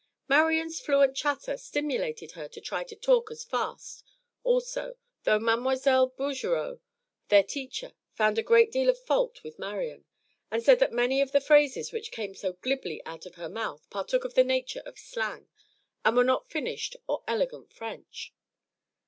Marian's fluent chatter stimulated her to try to talk as fast also, though Mademoiselle Bougereau, their teacher, found a great deal of fault with Marian, and said that many of the phrases which came so glibly out of her mouth partook of the nature of slang, and were not finished or elegant French.